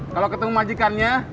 kalo ketemu majikannya